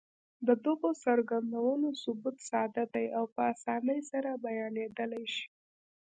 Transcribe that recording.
د دغو څرګندونو ثبوت ساده دی او په اسانۍ سره بيانېدلای شي.